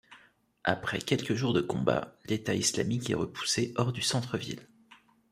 Après quelques jours de combats, l'État islamique est repoussé hors du centre-ville.